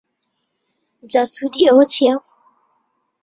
جا سوودی ئەوە چیە؟